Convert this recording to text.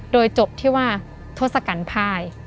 โดยจบที่ว่าทศกัณฐ์ภาย